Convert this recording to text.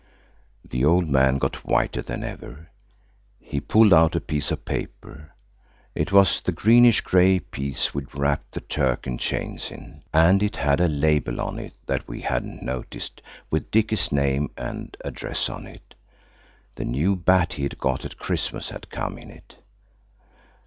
The old man got whiter than ever. He pulled out a piece of paper–it was the greenish grey piece we'd wrapped the Turk and chains in. And it had a label on it that we hadn't noticed, with Dicky's name and address on it. The new bat he got at Christmas had come in it.